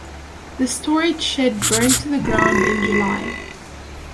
The storage shed burned to the ground in July.